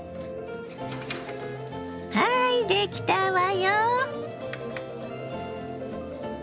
はいできたわよ。